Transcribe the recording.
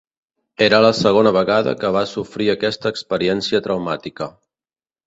Era la segona vegada que va sofrir aquesta experiència traumàtica.